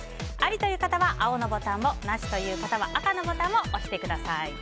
アリという方は青のボタンをナシという方は赤のボタンを押してください。